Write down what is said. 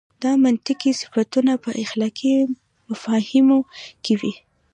دا منطقي صفتونه په اخلاقي مفاهیمو کې وي.